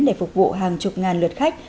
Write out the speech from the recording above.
để phục vụ hàng chục ngàn lượt khách